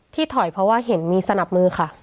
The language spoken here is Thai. ถอยเพราะว่าเห็นมีสนับมือค่ะ